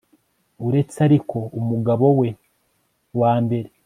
uretse ariko umugabo we wa mbere